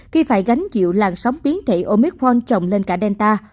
khi phải gánh dịu làn sóng biến thể omicron trồng lên cả delta